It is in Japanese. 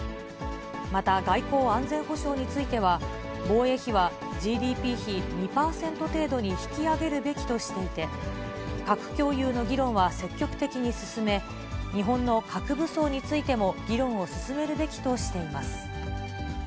また、外交・安全保障については、防衛費はＧＤＰ比２％程度に引き上げるべきとしていて、核共有の議論は積極的に進め、日本の核武装についても、議論を進めるべきとしています。